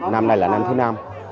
năm nay là năm thứ năm